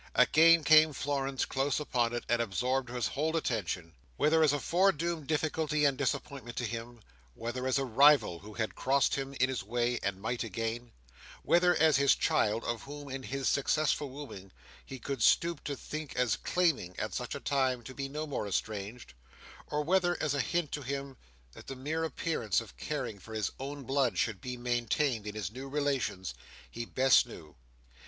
Again came Florence close upon it, and absorbed his whole attention. Whether as a fore doomed difficulty and disappointment to him; whether as a rival who had crossed him in his way, and might again; whether as his child, of whom, in his successful wooing, he could stoop to think as claiming, at such a time, to be no more estranged; or whether as a hint to him that the mere appearance of caring for his own blood should be maintained in his new relations; he best knew.